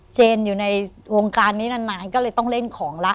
เจนอยู่ในวงการนี้นานก็เลยต้องเล่นของละ